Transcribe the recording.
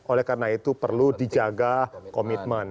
oleh karena itu perlu dijaga komitmen